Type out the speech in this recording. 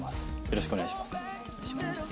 よろしくお願いします。